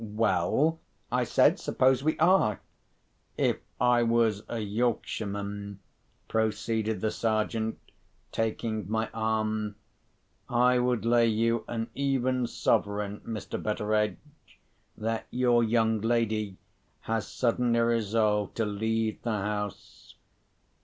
"Well?" I said. "Suppose we are?" "If I was a Yorkshireman," proceeded the Sergeant, taking my arm, "I would lay you an even sovereign, Mr. Betteredge, that your young lady has suddenly resolved to leave the house.